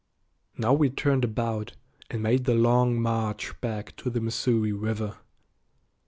Now we turned about and made the long march back to the Missouri River.